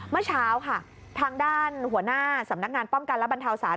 เมื่อเช้าค่ะทางด้านหัวหน้าสำนักงานป้องกันและบรรเทาศาส